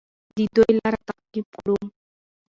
د دوی لار تعقیب کړو.